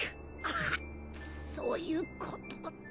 そういうこと。